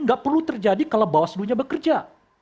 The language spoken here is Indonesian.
tidak perlu terjadi kalau bawaslunya bekerja